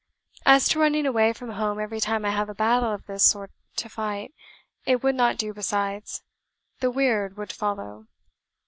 "As to running away from home every time I have a battle of this sort to fight, it would not do besides, the 'weird' would follow.